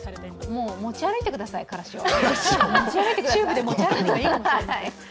もう持ち歩いてください、からしを。